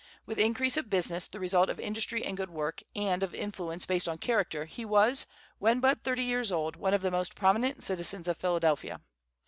With increase of business, the result of industry and good work, and of influence based on character, he was, when but thirty years old, one of the most prominent citizens of Philadelphia.